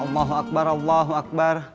allahu akbar allahu akbar